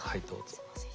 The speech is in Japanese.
すいません。